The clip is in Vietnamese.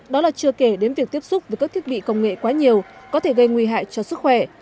đó là chưa kể đến việc tiếp xúc với các thiết bị công nghệ quá nhiều có thể gây nguy hại cho sức khỏe